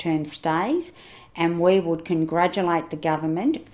dan kita akan mengucapkan kebanggaan kepada pemerintah